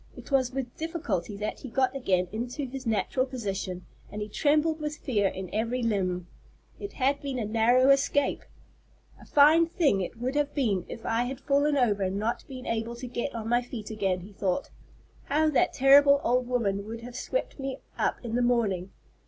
It was with difficulty that he got again into his natural position, and he trembled with fear in every limb. It had been a narrow escape. "A fine thing it would have been if I had fallen over and not been able to get on my feet again," he thought. "How that terrible old woman would have swept me up in the morning!"